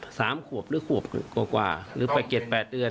๓๘ขวบประมาณ๓ขวบหรือกว่าคว่าลึกประเทศกัน๘๐๘เดือน